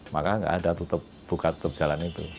maka nggak ada tutup buka tutup jalan itu